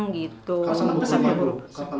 kapan datang ke sini